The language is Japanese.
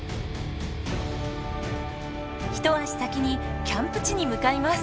一足先にキャンプ地に向かいます。